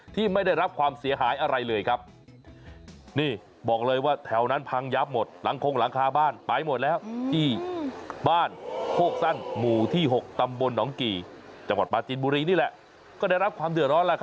ที่ไม่ได้รับความเสียหายอะไรเลยครับนี่บอกเลยว่าแถวนั้นพังยับหมด